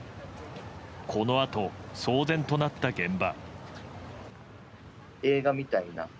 このあと騒然となった現場。